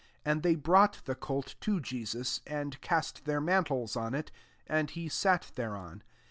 7 And they brought the colt to Jesus» and cast their mantles on it: and he sat thereon.